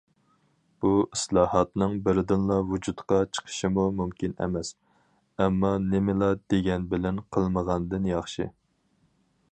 بۇ ئىسلاھاتنىڭ بىردىنلا ۋۇجۇدقا چىقىشىمۇ مۇمكىن ئەمەس، ئەمما نېمىلا دېگەن بىلەن قىلمىغاندىن ياخشى.